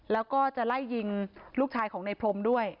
แล้วก็จะไล่ยิงลูกชายของในพรมด้วย